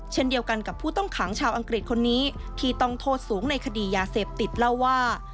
เช่นเดียวกันกับผู้ต้องขังชาวอังกฤษคนนี้ที่ต้องโทษสูงในคดียาเสพติดเล่าว่า